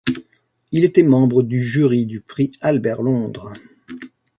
Il était membre du jury du prix Albert-Londres.